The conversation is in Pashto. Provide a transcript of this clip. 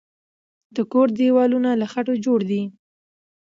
د کور دیوالونه له خټو جوړ دی.